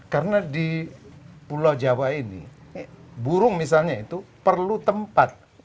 karena di pulau jawa ini burung misalnya itu perlu tempat